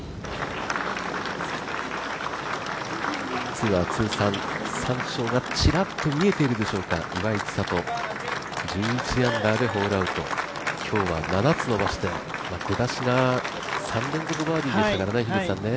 ツアー通算３勝がちらっと見えているでしょうか岩井千怜、１１アンダーでホールアウト、今日は７つ伸ばして、出だしが３連続バーディーでしたからね。